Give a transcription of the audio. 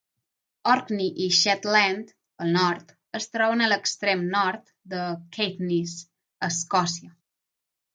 Orkney i Shetland, al nord, es troben a l'extrem nord de Caithness, Escòcia.